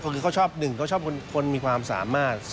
คือเขาชอบหนึ่งเขาชอบคนมีความสามารถ